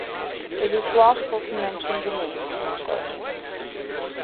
It is lawful to mention the names of children.